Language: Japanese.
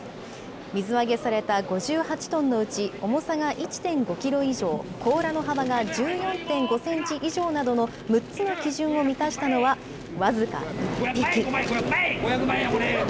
水揚げされた５８トンのうち、重さが１．５キロ以上、甲羅の幅が１４．５センチ以上などの６つの基準を満たしたのは、僅か１匹。